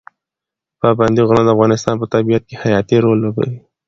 پابندي غرونه د افغانستان په طبیعت کې حیاتي رول لوبوي.